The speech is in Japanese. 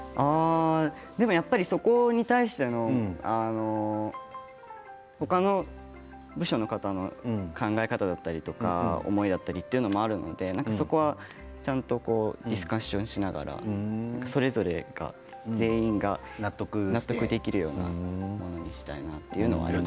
でも、そこに対しての他の部署の方の考え方思いがあったりするのでそこはディスカッションしながらそれぞれ全員が納得できるようなものにしたいなというのはあります。